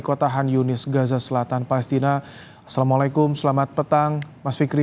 kota hanyunis gaza selatan palestina assalamualaikum selamat petang mas fikri